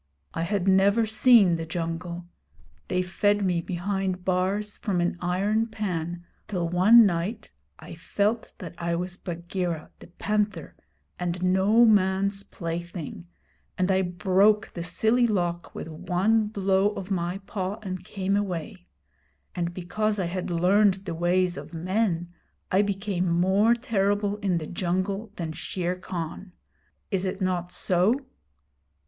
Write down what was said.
I had never seen the jungle. They fed me behind bars from an iron pan till one night I felt that I was Bagheera the Panther and no man's plaything, and I broke the silly lock with one blow of my paw and came away; and because I had learned the ways of men, I became more terrible in the jungle than Shere Khan. Is it not so?'